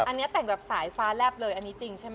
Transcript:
อันนี้แต่งแบบสายฟ้าแลบเลยอันนี้จริงใช่ไหม